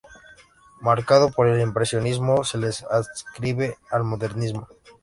Marcado por el impresionismo, se le adscribe al modernismo.